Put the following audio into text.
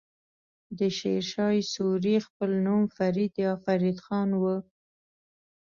د شير شاه سوری خپل نوم فريد يا فريد خان وه.